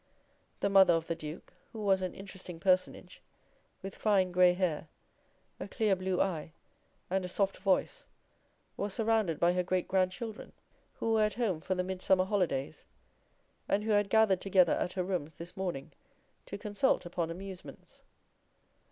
The mother of the Duke, who was an interesting personage, with fine grey hair, a clear blue eye, and a soft voice, was surrounded by her great grandchildren, who were at home for the Midsummer holidays, and who had gathered together at her rooms this morning to consult upon amusements.